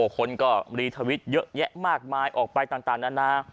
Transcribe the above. คนก็รีทวิตเยอะแยะมากมายออกไปต่างนานา